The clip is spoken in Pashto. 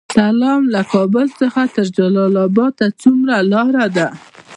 سلام، له کابل څخه تر جلال اباد څومره لاره ده؟